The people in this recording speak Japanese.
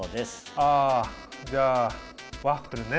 あじゃあワッフルね。